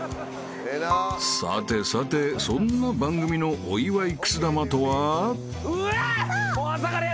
［さてさてそんな番組のお祝いくす玉とは］うわ！